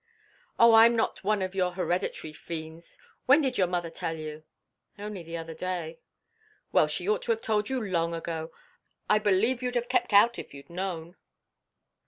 "Oh, I'm not one of your heredity fiends. When did your mother tell you?" "Only the other day." "Well, she ought to have told you long ago. I believe you'd have kept out if you'd known."